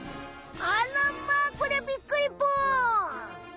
あらまこりゃびっくりぽん！